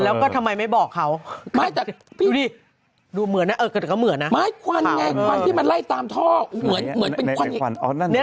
แล้วก็ทำไมไม่บอกเขาดูเหมือนกันก็เหมือนกันเหมือนตามท่อเหมือนเหมือน